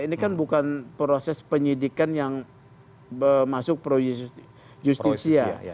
ini kan bukan proses penyidikan yang masuk pro justisia